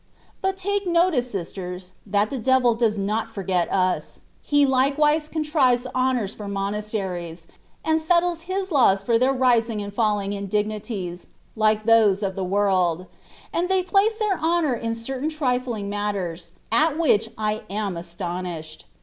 But take notice, sisters, that the devil does not forget us : he likewise contrives honours for mo nasteries, and settles his laws for their rising and falling in dignities, like those of the world ; and tibey place their honour in certain trifling mat ters, at which I am astonished.